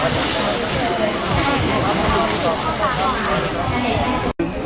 พระเจ้าข้าว